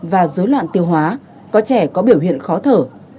và dối loạn tiêu hóa có trẻ có biểu hiện khó thở